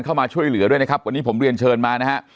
เข้ามาช่วยเหลือด้วยนะครับวันนี้ผมเรียนเชิญมานะฮะ